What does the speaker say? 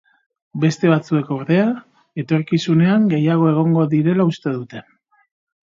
Beste batzuek, ordea, etorkizunean gehiago egongo direla uste dute.